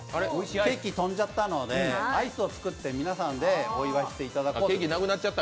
ケーキ飛んじゃったのでアイスを作って皆さんでお祝いしていただこうと。